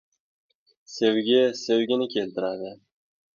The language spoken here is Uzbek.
• Sevgi sevgini keltiradi.